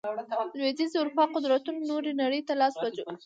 لوېدیځې اروپا قدرتونو نورې نړۍ ته لاس واچوي.